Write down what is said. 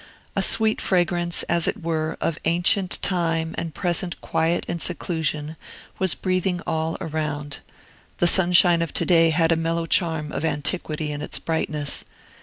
A sweet fragrance, as it were, of ancient time and present quiet and seclusion was breathing all around; the sunshine of to day had a mellow charm of antiquity in its brightness.